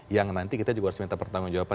yang nanti kita juga harus minta pertanggung jawaban